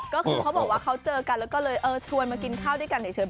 ก็คือเขาบอกว่าเขาเจอกันแล้วก็เลยชวนมากินข้าวด้วยกันเฉย